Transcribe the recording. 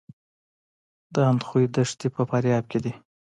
د اندخوی دښتې په فاریاب کې دي